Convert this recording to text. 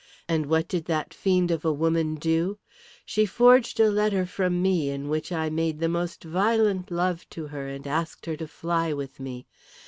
And what did that fiend of a woman do. She forged a letter from me in which I made the most violent love to her and asked her to fly with me.